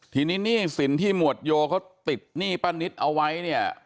ทีนี้สินที่หมวดโยเขาติดหนี้ป้านิตเอาไว้